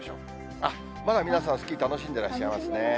あっ、まだ皆さん、スキー楽しんでらっしゃいますね。